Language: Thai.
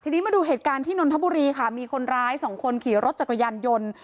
ทีนี้มาดูเหตุการณ์ที่นนทบุรีค่ะมีคนร้ายสองคนขี่รถจักรยานยนต์